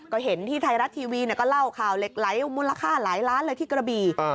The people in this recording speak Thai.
ก็เห็นที่ไทยรัฐทีวีก็เล่าข่าวเหล็กไหลมูลค่าหลายล้านเลยที่กระบี่